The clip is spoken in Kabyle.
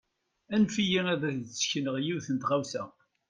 Anef-iyi ad ak-d-sekneɣ yiwet n tɣawsa.